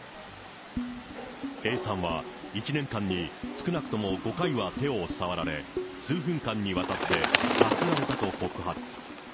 Ａさんは１年間に少なくとも５回は手を触られ、数分間にわたってさすられたと告発。